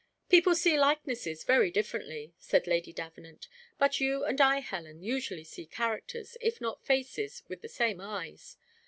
"People see likenesses very differently," said Lady Davenant. "But you and I, Helen, usually see characters, if not faces, with the same eyes.